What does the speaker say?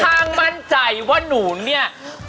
ช่างมั่นใจว่าหนูเนี่ย